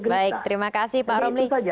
baik terima kasih pak romli